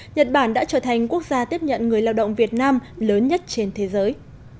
nhật bản đã trở thành quốc gia tiếp nhận người lao động việt nam lớn nhất trên thế giới